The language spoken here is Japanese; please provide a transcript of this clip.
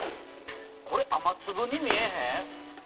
これ雨つぶに見えへん？